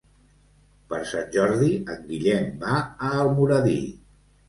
Per Sant Jordi en Guillem va a Almoradí.